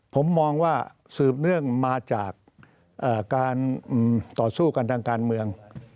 ผมมองว่าสืบเนื่องมาจากการต่อสู้กันทางการเมือง